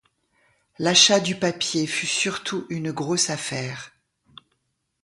L'achat du papier fut surtout une grosse affaire.